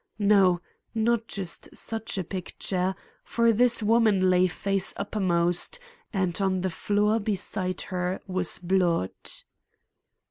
No, not just such a picture, for this woman lay face uppermost, and, on the floor beside her was blood.